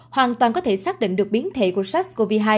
hoàn toàn có thể xác định được biến thể của sars cov hai